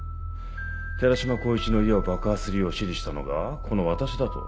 寺島光一の家を爆破するよう指示したのがこの私だと？